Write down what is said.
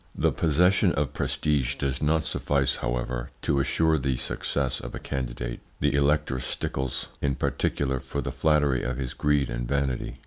The possession of prestige does not suffice, however, to assure the success of a candidate. The elector stickles in particular for the flattery of his greed and vanity.